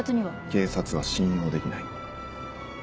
警察は信用できない。